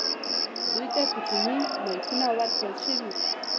دوی ته کوچني مایکونه ورکړل شوي وو.